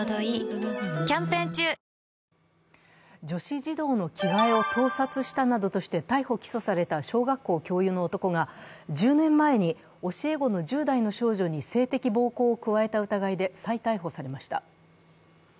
女子児童の着替えを盗撮したなどとして逮捕・起訴された小学校教諭の男が１０年前に教え子の１０代の少女に性的暴行を加えた疑いで再逮捕されました。